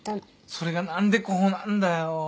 それが何でこうなるんだよ。